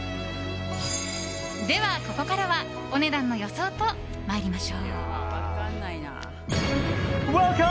では、ここからはお値段の予想と参りましょう。